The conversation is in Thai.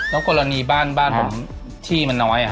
แล้วกรณีบ้านบ้านผมที่มันน้อย